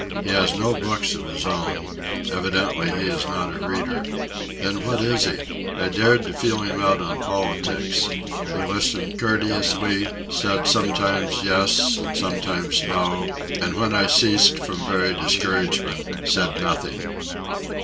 He has no books of his own. Evidently he is not a reader. Then what is he? I dared to feel him out on politics. He listened courteously, said sometimes yes and sometimes no, and, when I ceased from very discouragement, said nothing.